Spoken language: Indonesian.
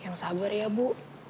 yang sabar ya bu